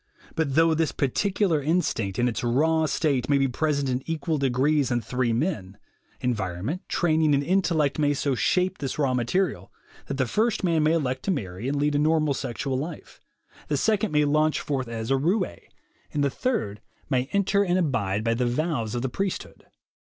But though this particular instinct, in its raw state, may be present in equal degrees in three men, environment, training and intellect may so shape this raw material that the first man may elect to marry and lead a normal sexual life, the second may launch forth as a roue, and the third may enter 30 THE WAY TO WILL POWER and abide by the vows of the priesthood.